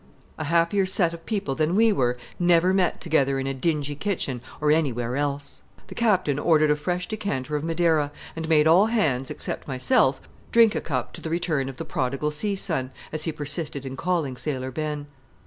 A happier set of people than we were never met together in a dingy kitchen or anywhere else. The Captain ordered a fresh decanter of Madeira, and made all hands, excepting myself, drink a cup to the return of "the prodigal sea son," as he persisted in calling Sailor Ben.